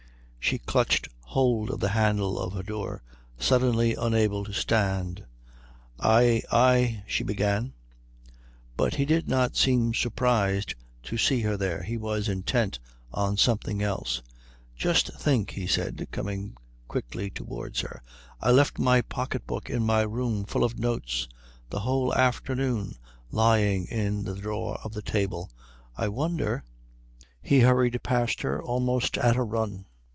She clutched hold of the handle of her door, suddenly unable to stand. "I I " she began. But he did not seem surprised to see her there; he was intent on something else. "Just think," he said, coming quickly towards her. "I left my pocket book in my room, full of notes. The whole afternoon lying in the drawer of the table. I wonder " He hurried past her almost at a run.